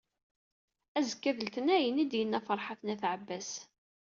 Azekka d letnayen i d-yenna Ferḥat n At Ɛebbas.